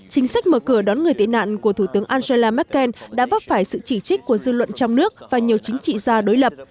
chính sách mở cửa đón người tị nạn của thủ tướng angela merkel đã vấp phải sự chỉ trích của dư luận trong nước và nhiều chính trị gia đối lập